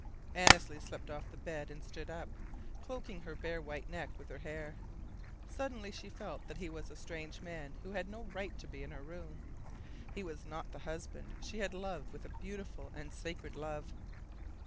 Annesley slipped off the bed and stood up, cloaking her bare white neck with her hair. Suddenly she felt that he was a strange man who had no right to be in her room. He was not the husband she had loved with a beautiful and sacred love.